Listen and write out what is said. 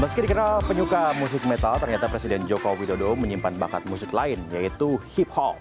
meski dikenal penyuka musik metal ternyata presiden joko widodo menyimpan bakat musik lain yaitu hip hop